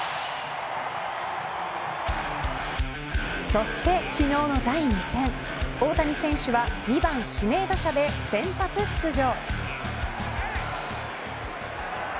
そして、昨日の第２戦大谷選手は２番指名打者で先発出場。